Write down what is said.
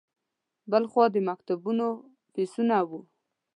بل خوا د مکتبونو فیسونه وو.